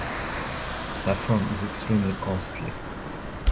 Saffron is extremely costly.